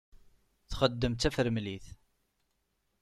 Txeddem d tafremlit.